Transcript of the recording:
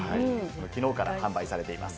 きのうから販売されています。